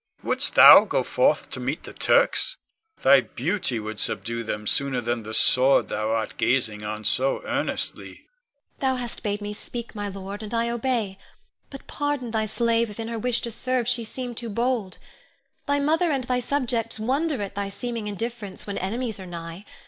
Wouldst thou go forth to meet the Turks? Thy beauty would subdue them sooner than the sword thou art gazing on so earnestly. Ione. Thou hast bade me speak, my lord, and I obey; but pardon thy slave if in her wish to serve she seem too bold. Thy mother and thy subjects wonder at thy seeming indifference when enemies are nigh.